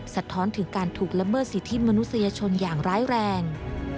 สะท้อนถึงการถูกละเมิดสิทธิมนุษยชนอย่างร้ายแรง